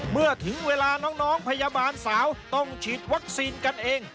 เมื่อถึงเวลาน้องพยาบาลสาวต้องฉีดวัคซีนกันเอง